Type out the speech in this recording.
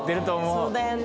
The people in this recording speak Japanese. そうだよね。